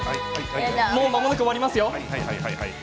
まもなく終わりますよ。